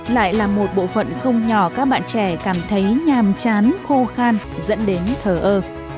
lại là một bộ phận không nhỏ các bạn trẻ cảm thấy nhàm chán khô khan dẫn đến thờ ơ